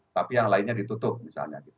tapi yang lainnya ditutup misalnya